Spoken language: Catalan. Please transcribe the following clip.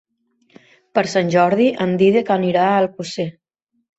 Per Sant Jordi en Dídac anirà a Alcosser.